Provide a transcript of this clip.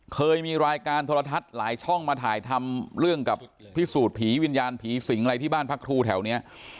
เคยมีรายการโทรทัศน์หลายช่องมาถ่ายทำเรื่องกับพิสูจน์ผีวิญญาณผีสิงอะไรที่บ้านพักครูแถวนี้